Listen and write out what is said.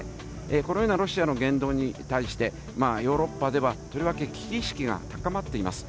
このようなロシアの言動に対して、ヨーロッパでは、とりわけ危機意識が高まっています。